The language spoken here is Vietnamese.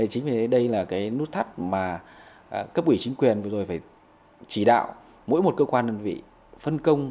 chính vì thế đây là cái nút tắt mà cấp ủy chính quyền rồi phải chỉ đạo mỗi một cơ quan nhân vị phân công